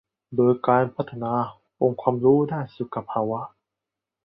โดยการพัฒนาองค์ความรู้ด้านสุขภาวะ